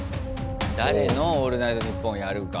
誰の「オールナイトニッポン」やるか。